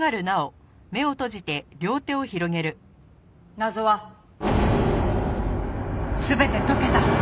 謎は全て解けた。